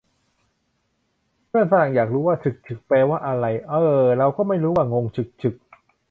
เพื่อนฝรั่งอยากรู้ว่า 'ฉึกฉึก' แปลว่าอะไร เอ่อ เราก็ไม่รู้ว่ะ งงฉึกฉึก